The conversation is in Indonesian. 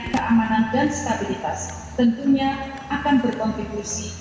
keamanan dan stabilitas tentunya akan berkontribusi